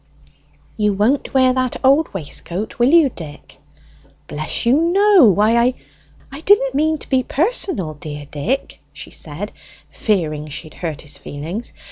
"You won't wear that old waistcoat, will you, Dick?" "Bless you, no! Why I " "I didn't mean to be personal, dear Dick," she said, fearing she had hurt his feelings.